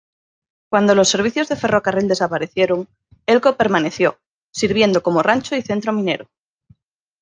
Cuando los servicios de ferrocarril desaparecieron, Elko permaneció, sirviendo como rancho y centro minero.